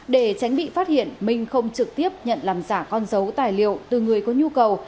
để tránh bị phát hiện minh không trực tiếp nhận làm giả con dấu tài liệu từ người có nhu cầu